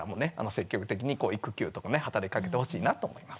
積極的に育休とかね働きかけてほしいなと思います。